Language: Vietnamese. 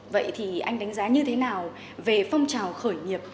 vậy thì anh đánh giá như thế nào về phong trào khởi nghiệp